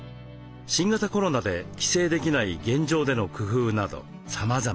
新型コロナで帰省できない現状での工夫などさまざま。